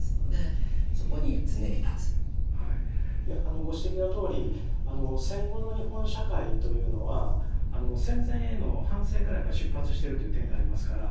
ご指摘のとおり戦後の日本社会というのは戦前への反省からやっぱり出発してるという点がありますから。